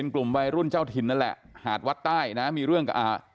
กลุ่มวัยรุ่นเจ้าถิ่นนั่นแหละหาดวัดใต้นะมีเรื่องกับอ่า